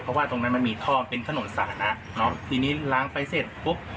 เพราะว่าตรงนั้นมันมีท่อเป็นถนนสาธารณะเนอะทีนี้ล้างไปเสร็จปุ๊บ